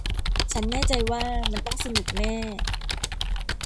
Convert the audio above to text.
ฉันแน่ใจว่ามันต้องสนุกแน่